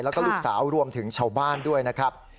แล้วก็ลูกสาวรวมถึงชาวบ้านด้วยนะครับ